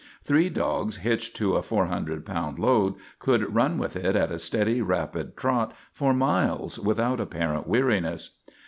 Three dogs hitched to a 400 pound load could run with it at a steady, rapid trot for miles without apparent weariness.